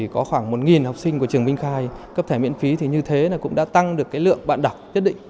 có khoảng một học sinh của trường minh khai cấp thẻ miễn phí thì như thế cũng đã tăng được lượng bạn đọc nhất định